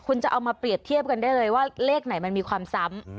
คุณจะเอามาเปรียบเทียบกันได้เลยว่าเลขไหนมันมีความซ้ำ